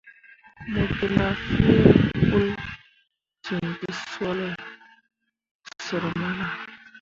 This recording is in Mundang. Mo ge na fyee uul ciŋ tǝsoole sər mana.